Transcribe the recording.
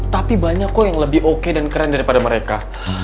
tapi banyak kok yang lebih oke dan keren daripada mereka